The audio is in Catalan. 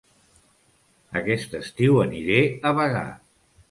Aquest estiu aniré a Bagà